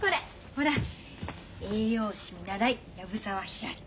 ほら「栄養士見習い藪沢ひらり」。